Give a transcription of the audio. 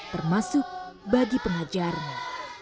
termasuk bagi pengajarnya